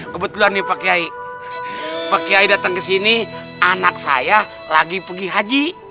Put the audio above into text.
kebetulan nih pak kiai pak kiai datang ke sini anak saya lagi pergi haji